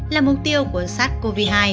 là mục tiêu của sars cov hai